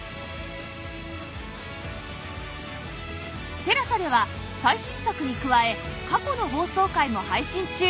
ＴＥＬＡＳＡ では最新作に加え過去の放送回も配信中